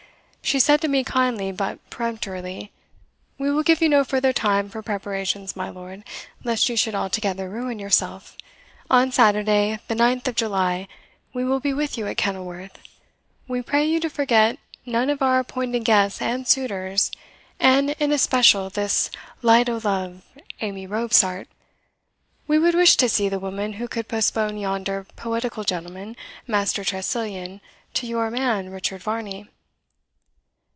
She said to me kindly, but peremptorily, 'We will give you no further time for preparations, my lord, lest you should altogether ruin yourself. On Saturday, the 9th of July, we will be with you at Kenilworth. We pray you to forget none of our appointed guests and suitors, and in especial this light o' love, Amy Robsart. We would wish to see the woman who could postpone yonder poetical gentleman, Master Tressilian, to your man, Richard Varney.'